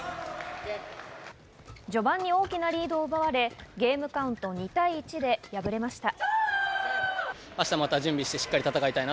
序盤に大きなリードを奪われ、ゲームカウント２対１で敗れました。